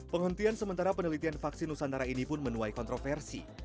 penghentian sementara penelitian vaksin nusantara ini pun menuai kontroversi